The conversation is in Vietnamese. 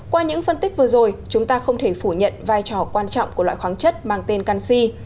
qua những phân tích vừa rồi chúng ta không thể phủ nhận vai trò quan trọng của loại khoáng chất mang tên canxi